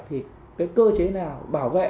thì cái cơ chế nào bảo vệ